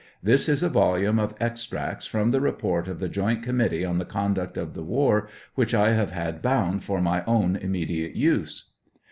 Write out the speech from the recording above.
This is a volume of extracts from the. report of the Joint Committee on the Conduct of the War, which I have had bound for my own immediate use.